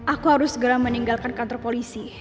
aku harus segera meninggalkan kantor polisi